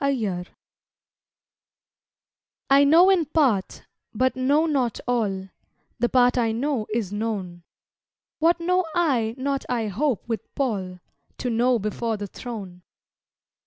A MEROGNOSTIC I know in part, but know not all, The part I know is known; What know I not I hope with Paul To know before the throne.